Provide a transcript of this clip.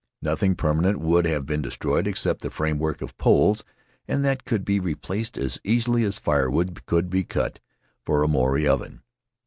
Nothing permanent would have been destroyed except the framework of poles, and that could be replaced as easily as firewood could be cut for a Maori oven.